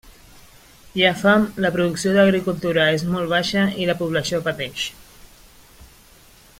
Hi ha fam, la producció de l'agricultura és molt baixa i la població pateix.